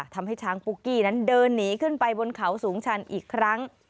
ทำให้ช้างปุ๊กกี้นั้นเดินหนีขึ้นไปบนเขาสูงชันอีกครั้ง